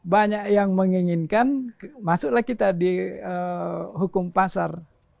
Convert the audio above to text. banyak yang menginginkan masuklah kita di hukum pasar